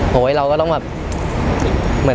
เราก็ต้องแบบ